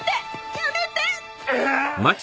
やめて！